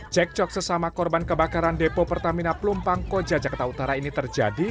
cek cok sesama korban kebakaran depo pertamina plumpangko jajakarta utara ini terjadi